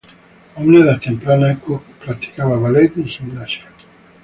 A una edad temprana, Cooke practicaba ballet y gimnasia.